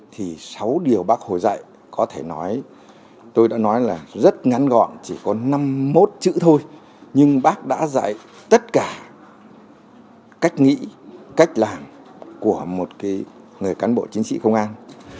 thì sáu điều bác hồ dạy có thể nói tôi đã nói là rất ngắn gọn chỉ có năm mươi một chữ thôi nhưng bác đã dạy tất cả cách nghĩ cách làm của một người cán bộ chiến sĩ công an